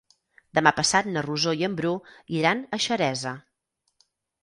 Demà passat na Rosó i en Bru iran a Xeresa.